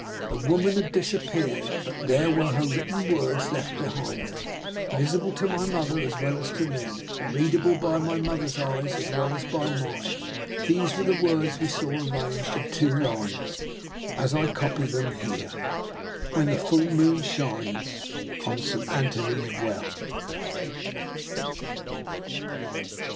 The woman had disappeared, but there were her written words left behind her: visible to my mother as well as to me, readable by my mother's eyes as well as by mine! These were the words we saw, arranged in two lines, as I copy them here: When the full moon shines On Saint Anthony's Well.